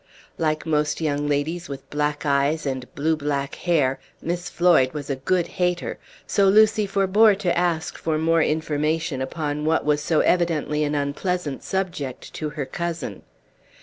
Like most young ladies with black eyes and blue black hair, Miss Floyd was a good hater; so Lucy forbore to ask for more information upon what was so evidently an unpleasant subject to her cousin.